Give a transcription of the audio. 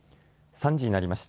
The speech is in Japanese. ３時になりました。